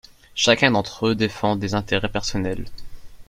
Chacun d’entre eux défend des intérêts personnels.